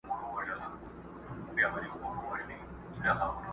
ستا له مالته رخصتېږمه بیا نه راځمه.!